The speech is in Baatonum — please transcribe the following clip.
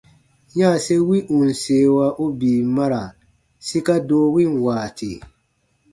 Yanse wi ù n seewa u bii mara sika doo win waati.